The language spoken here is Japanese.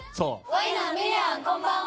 こんばんは。